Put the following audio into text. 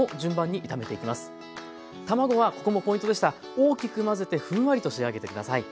大きく混ぜてふんわりと仕上げて下さい。